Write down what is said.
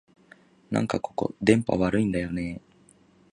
なんかここ、電波悪いんだよねえ